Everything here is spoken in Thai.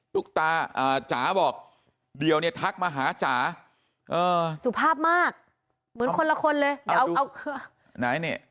ตุ๊กตาจ๋าบอกเดี๋ยวเนี่ยทักมาหาจ๋าสุภาพมากเหมือนคนละคนเลย